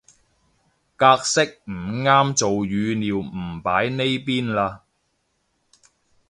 格式唔啱做語料唔擺呢邊嘞